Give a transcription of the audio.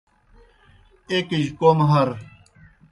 ایْکِجیْ کوْم ہَر۔